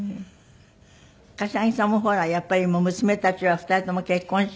柏木さんもほらやっぱり娘たちは２人とも結婚しちゃうし。